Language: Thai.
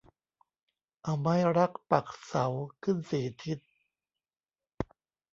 เอาไม้รักปักเสาขึ้นสี่ทิศ